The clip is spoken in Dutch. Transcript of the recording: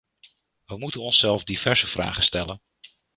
We moeten onszelf diverse vragen stellen.